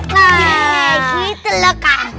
nah gitu loh kak